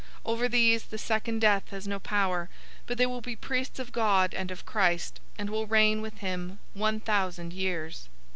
Over these, the second death has no power, but they will be priests of God and of Christ, and will reign with him one thousand years.